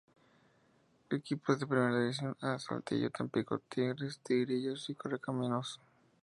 Equipos de Primera División 'A': Saltillo, Tampico, Tigres, Tigrillos y Correcaminos.